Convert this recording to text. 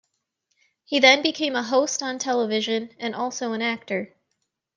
He then became a host on television, and also an actor.